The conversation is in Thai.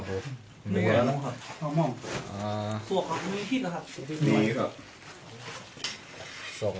พี่มอง